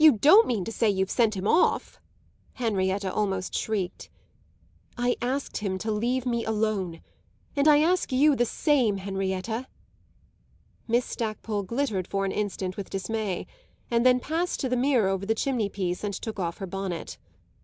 "You don't mean to say you've sent him off?" Henrietta almost shrieked. "I asked him to leave me alone; and I ask you the same, Henrietta." Miss Stackpole glittered for an instant with dismay, and then passed to the mirror over the chimney piece and took off her bonnet.